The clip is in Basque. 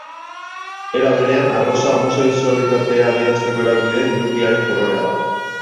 Era berean, arrosa homosexualitatea adierazteko erabili den hirukiaren kolorea da.